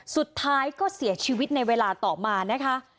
สุดท้ายก็เสียชีวิตในเวลาต่อมานะคะ